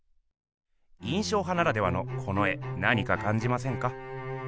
印象派ならではのこの絵なにかかんじませんか？